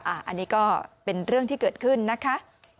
อันนี้ก็เป็นเรื่องที่เกิดขึ้นนะคะ